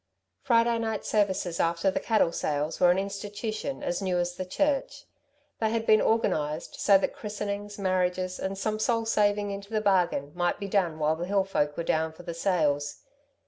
Friday night services after the cattle sales were an institution as new as the church. They had been organised so that christenings, marriages, and some soul saving into the bargain, might be done while the hill folk were down for the sales.